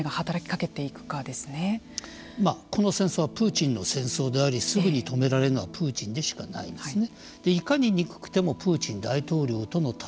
今後その政権に対してどう国際社会がこの戦争はプーチンの戦争でありすぐに止められるのはプーチンでしかないんですね。